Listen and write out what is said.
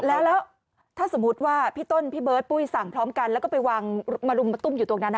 แล้วถ้าสมมุติว่าพี่ต้นพี่เบิร์ดปุ้ยสั่งพร้อมกันแล้วก็ไปวางมารุมมาตุ้มอยู่ตรงนั้น